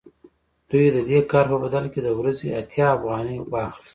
دوی د دې کار په بدل کې د ورځې اتیا افغانۍ واخلي